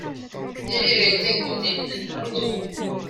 基地鄰近古蹟「紫藤廬」